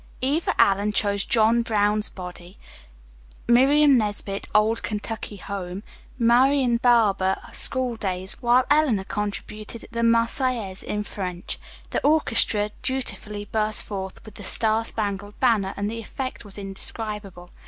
Eva Allen chose "John Brown's Body." Miriam Nesbit, "Old Kentucky Home." Marian Barber, "Schooldays," while Eleanor contributed "The Marseillaise" in French. The orchestra dutifully burst forth with "The Star Spangled Banner," and the effect was indescribable.